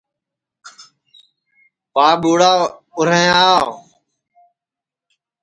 پربھوڑا اُرھیں آو